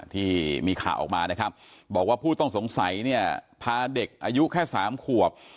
ที่มีข่าวออกมานะครับบอกว่าผู้ต้องสงสัยเนี่ยพาเด็กอายุแค่๓ขวบ